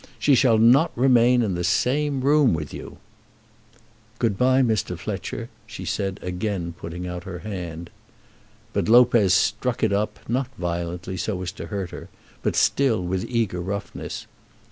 She shall not remain in the same room with you." "Good bye, Mr. Fletcher," she said, again putting out her hand. But Lopez struck it up, not violently, so as to hurt her, but still with eager roughness.